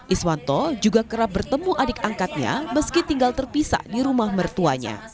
iswanto juga kerap bertemu adik angkatnya meski tinggal terpisah di rumah mertuanya